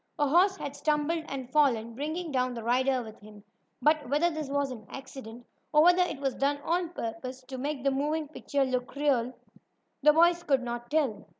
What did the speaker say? A horse had stumbled and fallen, bringing down the rider with him. But whether this was an accident, or whether it was done on purpose, to make the moving picture look more natural, the boys could not tell.